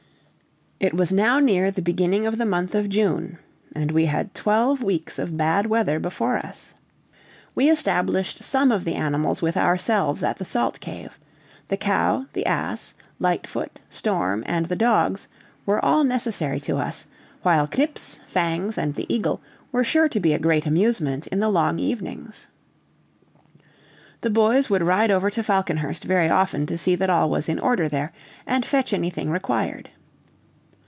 It was now near the beginning of the month of June, and we had twelve weeks of bad weather before us. We established some of the animals with ourselves at the salt cave. The cow, the ass, Lightfoot, Storm, and the dogs, were all necessary to us, while Knips, Fangs, and the eagle were sure to be a great amusement in the long evenings. The boys would ride over to Falconhurst very often to see that all was in order there, and fetch anything required.